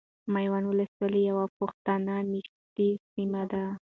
ميوند ولسوالي يو پښتون ميشته سيمه ده .